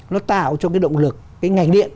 nó tạo cho cái động lực cái ngành điện